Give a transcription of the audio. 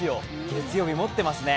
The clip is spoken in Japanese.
月曜日持ってますね。